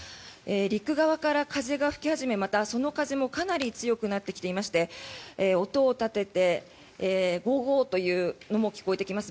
陸側から風が吹き始めまたその風もかなり強くなってきていまして音を立ててゴーゴーというのも聞こえてきます。